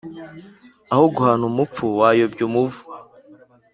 Aho guhana umupfu wayobya umuvu.